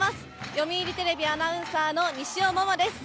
読売テレビアナウンサーの西尾桃です。